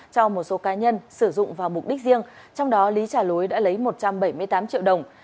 cho một số cá nhân sử dụng vào mục đích riêng trong đó lý trà lối đã lấy một trăm bảy mươi tám triệu đồng